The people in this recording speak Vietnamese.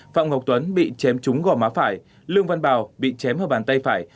phạm ngọc tuấn bị chém trúng gò má phải lương văn bào bị chém ở bàn tay phải